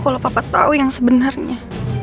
kalau papa tahu yang sebenarnya